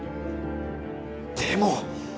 でも。